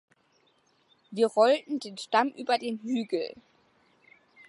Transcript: Wir rollten den Stamm über den Hügel.